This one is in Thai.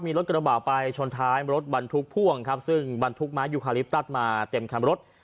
มีรถกระบาดไปชนท้ายรถบรรทุกพ่วงครับซึ่งบรรทุกไม้ยูคาลิปตัสมาเต็มคันรถ